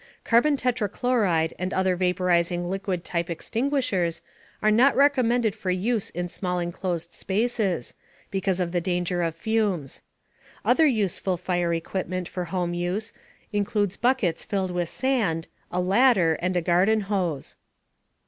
Carbon tetrachloride and other vaporizing liquid type extinguishers are not recommended for use in small enclosed spaces, because of the danger of fumes. Other useful fire equipment for home use includes buckets filled with sand, a ladder, and a garden hose.